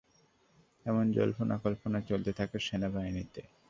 এমন জল্পনা-কল্পনা চলতে থাকে সেনাবাহিনীতে।